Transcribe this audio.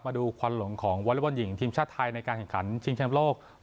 มาดูความหลงของวอเล็กบอลหญิงทีมชาติไทยในการแข่งขันชีวิตชีวิตชีวิตชีวิตโลก